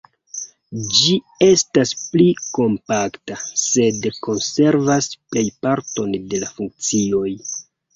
Ĝi estas pli kompakta, sed konservas plejparton de la funkcioj.